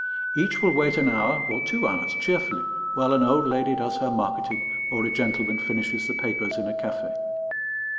Each will wait an hour or two hours cheerfully while an old lady does her marketing or a gentleman finishes the papers in a café.